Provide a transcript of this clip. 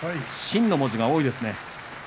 新の文字が多いですよね